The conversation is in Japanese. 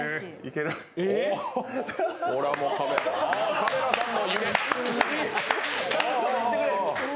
ああ、カメラさんも。